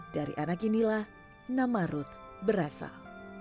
dari anak inilah nama ruth berasal